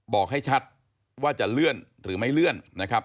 บอกให้ชัดว่าจะเลื่อนหรือไม่เลื่อนนะครับ